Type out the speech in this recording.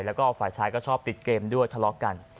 แล้วก็ฝ่ายชายก็ชอบติดเกมด้วยทะเลาะกัน